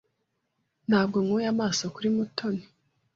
Ntabwo nkuye amaso kuri Mutoni.